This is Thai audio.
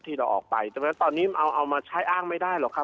ที่เราออกไปแต่ตอนนี้เอามาใช้อ้างไม่ได้หรอกครับ